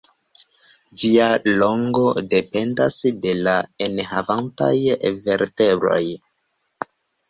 Ĝia longo dependas de la enhavantaj vertebroj.